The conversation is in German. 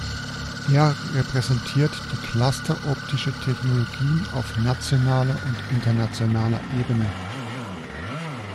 Er repräsentiert die Cluster Optische Technologien auf nationaler und internationaler Ebene.